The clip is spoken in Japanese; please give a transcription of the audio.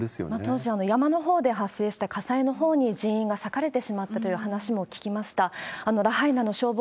当時は山のほうで発生した火災のほうに人員が割かれてしまったという話も聞きました。